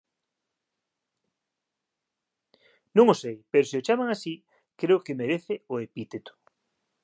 Non o sei, pero se o chaman así, creo que merece o epíteto.